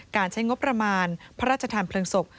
การใช้งบประมาณพระราชธรรมเพลิงศพ